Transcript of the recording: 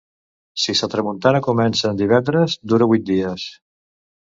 Si sa tramuntana comença en divendres, dura vuit dies.